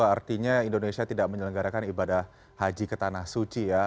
artinya indonesia tidak menyelenggarakan ibadah haji ke tanah suci ya